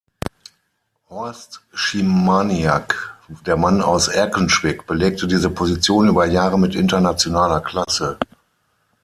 Horst Szymaniak, der Mann aus Erkenschwick, belegte diese Position über Jahre mit internationaler Klasse.